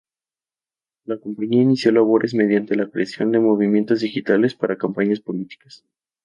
La compañía inició labores mediante la creación de movimientos digitales para campañas políticas.